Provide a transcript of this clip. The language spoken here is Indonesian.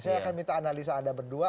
saya akan minta analisa anda berdua